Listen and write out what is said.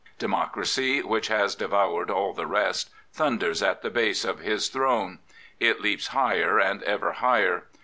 Democracy, which has devoured all the rest, thunders at the base of his throne. It leaps higher and ever higher.